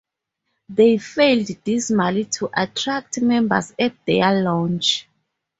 They failed dismally to attract members at their launch.